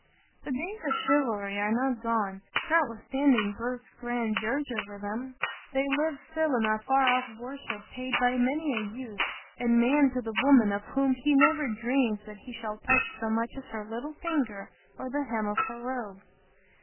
The days of chivalry are not gone, notwithstanding Burke's grand dirge over them; they live still in that far off worship paid by many a youth and man to the woman of whom he never dreams that he shall touch so much as her little finger or the hem of her robe.